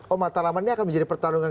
oh mataraman ini akan menjadi pertarungan